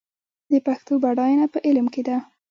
د پښتو بډاینه په علم کې ده.